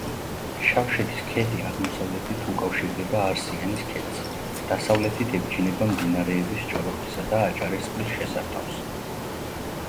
შავშეთის ქედი აღმოსავლეთით უკავშირდება არსიანის ქედს, დასავლეთით ებჯინება მდინარეების ჭოროხისა და აჭარისწყლის შესართავს.